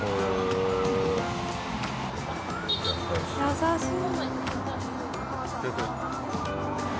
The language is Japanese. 優しい。